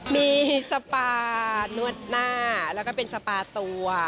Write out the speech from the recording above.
มีสปานวดหน้าแล้วก็เป็นสปาตัว